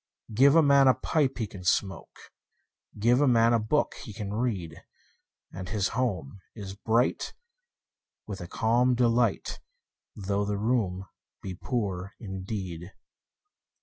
Give a man a pipe he can smoke, 5 Give a man a book he can read: And his home is bright with a calm delight, Though the room be poor indeed.